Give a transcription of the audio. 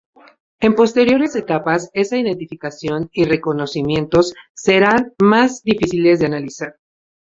En posteriores etapas, esa identificación y reconocimientos serán más difíciles de analizar.